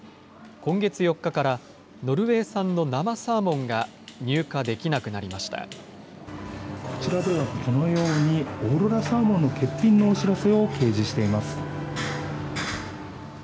今月４日から、ノルウェー産の生サーモンが入荷できなくなりましこちらでは、このようにオーロラサーモンの欠品のお知らせを掲示しています。